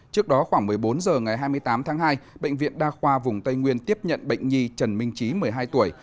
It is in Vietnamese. trước đó khoảng một mươi bốn h ngày hai mươi tám tháng hai bệnh viện đa khoa vùng tây nguyên tiếp nhận bệnh nhi trần minh trí một mươi hai tuổi